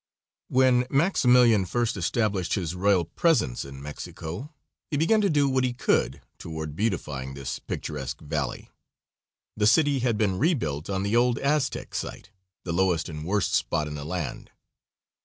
When Maximilian first established his royal presence in Mexico he began to do what he could toward beautifying this picturesque valley. The city had been rebuilt on the old Aztec site the lowest and worst spot in the land.